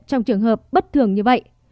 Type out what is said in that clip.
trong trường hợp bất thường như vậy